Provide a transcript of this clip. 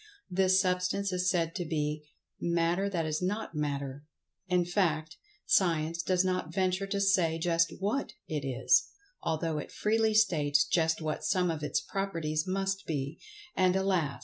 This Substance is said to be "Matter that is not Matter"—in fact, Science does not venture to say just what it is, although it freely states just what some of its properties must be, and, alas!